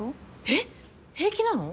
え平気なの？